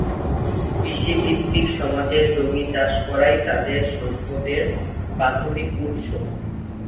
কৃষিভিত্তিক সমাজে জমি চাষ করাই তাদের সম্পদের প্রাথমিক উৎস।